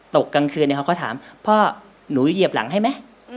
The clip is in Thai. ตกกลางคืนเนี่ยเขาถามพ่อหนูจะเหยียบหลังให้ไหม